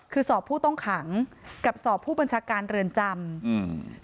คือสอบผู้ต้องขังกับสอบผู้บัญชาการเรือนจำอืม